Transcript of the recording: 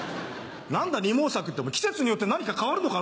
何だ二毛作って季節によって何か変わるのか？